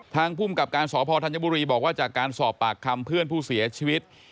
ภูมิกับการสพธัญบุรีบอกว่าจากการสอบปากคำเพื่อนผู้เสียชีวิต